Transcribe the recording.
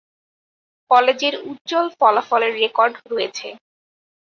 কলেজের উজ্জ্বল ফলাফলের রেকর্ড রয়েছে।